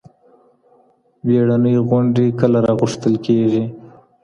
بېړنۍ غونډي کله راغوښتل کېږي؟